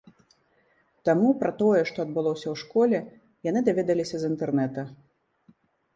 Таму пра тое, што адбылося ў школе, яны даведаліся з інтэрнэта.